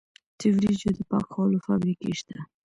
د وریجو د پاکولو فابریکې شته.